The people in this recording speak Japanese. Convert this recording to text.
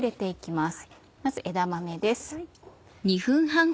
まず枝豆です。